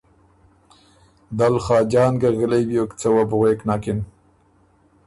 دل خاجان ګۀ غِلئ بیوک څه وه بو غوېک نکِن